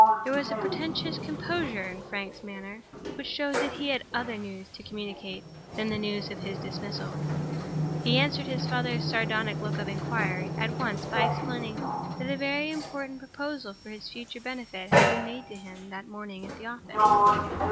There was a portentous composure in Frank's manner which showed that he had other news to communicate than the news of his dismissal. He answered his father's sardonic look of inquiry by at once explaining that a very important proposal for his future benefit had been made to him, that morning, at the office.